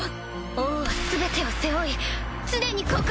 王はすべてを背負い常に孤高！